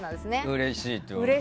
うれしい！